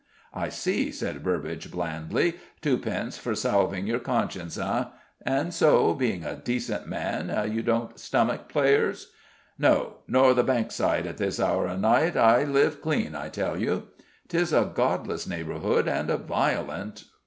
"I see," said Burbage blandly: "twopence for salving your conscience, hey? And so, being a decent man, you don't stomach players?" "No, nor the Bankside at this hour o' night. I live clean, I tell you." "'Tis a godless neighbourhood and a violent."